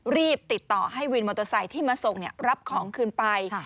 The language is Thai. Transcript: รีบติดต่อให้วินมอเตอร์ไซค์ที่มาส่งรับของคืนไป